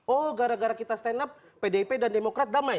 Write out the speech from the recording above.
oh gara gara kita stand up pdip dan demokrat damai